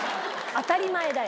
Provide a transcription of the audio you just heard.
当たり前だよ。